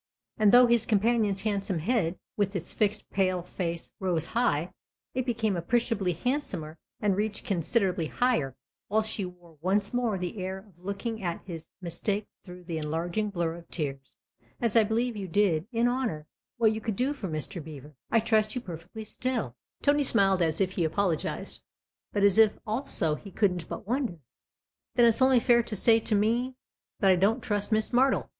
And though his companion's handsome head, with its fixed, pale face, rose high, it became appreciably handsomer and reached considerably higher, while she wore once more the air of looking at his mistake through the enlarging blur of tears. " As I believe you did, in honour, what you could for Mr. Beever, I trust you perfectly still." Tony smiled as if he apologised, but as if also he couldn't but wonder. " Then it's only fair to say to me ?"" That I don't trust Miss Martle."